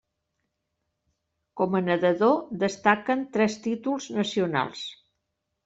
Com a nedador destaquen tres títols nacionals.